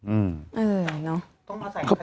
เออเนาะ